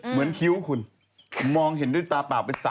เหมือนคิ้วคุณมองเห็นด้วยตาเปล่าเป็น๓มิติ